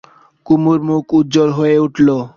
কুমুর মুখ উজ্জ্বল হয়ে উঠল।